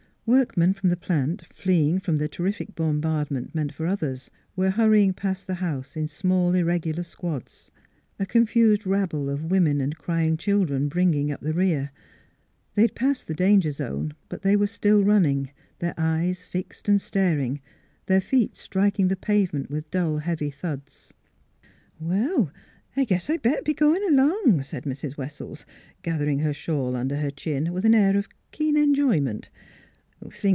Workmen from the plant, flee ing from before the 'terrific bombardment meant for others, were hurrying past the house in small irregular squads. A confused rabble of women and crying children bringing up the rear. They had passed the danger zone, but they were still running, their eyes fixed and staring, their feet striking the pavement with dull heavy thuds. " Well, I guess I'd better be goin' along," said Mrs. Wessells, gathering her shawl under her chin with an air of keen enjoyment.